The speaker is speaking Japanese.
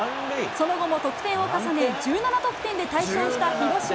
その後も得点を重ね、１７得点で大勝した広島。